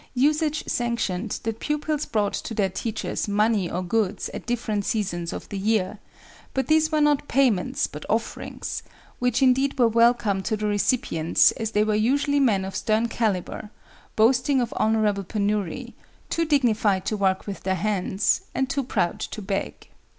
Usage sanctioned that pupils brought to their teachers money or goods at different seasons of the year; but these were not payments but offerings, which indeed were welcome to the recipients as they were usually men of stern calibre, boasting of honorable penury, too dignified to work with their hands and too proud to beg.